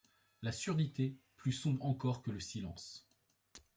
La surdité plus sombre encor que le silence